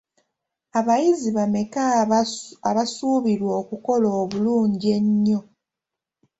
Abayizi bameka abasuubirwa okukola obulungi ennyo?